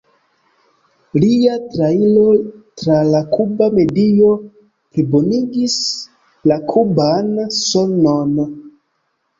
Lia trairo tra la kuba medio plibonigis la kuban sonon.